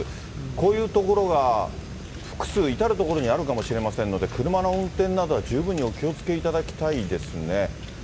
こういう所が複数、至る所にあるかもしれませんので、車の運転などは十分にお気をつけいただきたいですね。